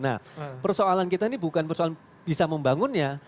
nah persoalan kita ini bukan persoalan bisa membangunnya